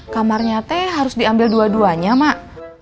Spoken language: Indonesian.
kamarnya teh harus diambil dua duanya mak